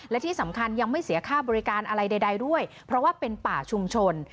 และที่สำคัญยังไม่เสียค่าบริการอะไรใดด้วยเพราะว่าเป็นป่าชุมชน